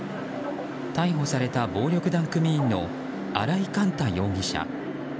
逮捕された暴力団組員の荒井幹太容疑者。